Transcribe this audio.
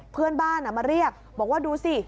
เพื่อนบ้านมาเรียกบอกว่าดูสิ